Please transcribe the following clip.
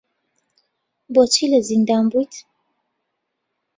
بۆچی لە زیندان بوویت؟